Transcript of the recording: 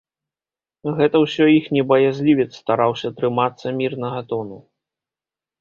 Гэта ўсё іхні баязлівец стараўся трымацца мірнага тону.